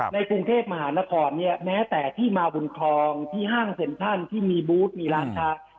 ในกรุงเทพมหานครเนี่ยแม้แต่ที่มาบนคลองที่ห้างเซ็นทรัลที่มีบูธมีร้านค้า